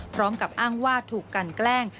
พร้อมกับอ้างว่าถูกกันแกล้ง